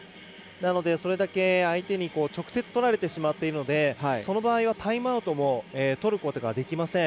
なので、それだけ相手に直接とられてしまっているのでその場合はタイムアウトもとることができません。